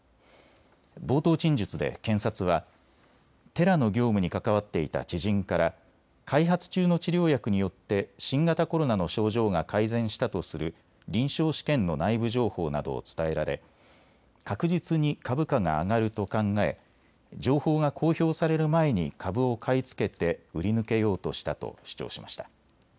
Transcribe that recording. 冒頭陳述で検察はテラの業務に関わっていた知人から開発中の治療薬によって新型コロナの症状が改善したとする臨床試験の内部情報などを伝えられ確実に株価が上がると考え情報が公表される前に株を買い付けて売り抜けようとしたと主張しました。